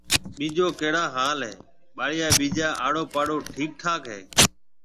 ٻِيجو ڪهڙا حال هيَ؟ ٻاݪيا ٻِيجا آڙو پاڙو ٺِيڪ ٺاڪ هيَ۔